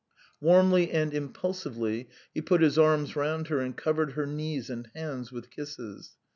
." Warmly and impulsively he put his arms round her and covered her knees and hands with kisses.